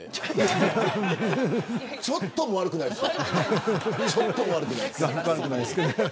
ちょっとも悪くないですよ。